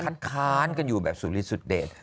ค้านกันอยู่แบบสุริสุดเดช